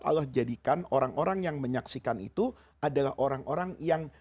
allah jadikan orang orang yang menyaksikan itu adalah orang orang yang